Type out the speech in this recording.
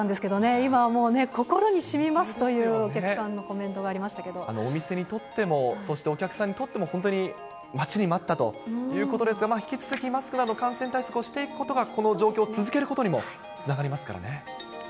今はもうね、心にしみますというお客さんのコメントがありましたお店にとっても、そしてお客さんにとっても本当に待ちに待ったということなんですが、引き続き、マスクなど感染対策をしていくことが、この状況を続けることにもつながりますからね。